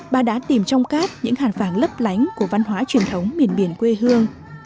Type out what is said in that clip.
bà đã tìm trong cát những hàn phản lấp lánh của văn hóa truyền thống miền biển quê hương